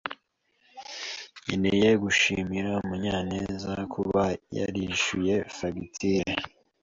nkeneye gushimira Munyanezkuba yarishyuye fagitire.